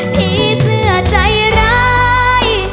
ผีเสื้อใจร้าย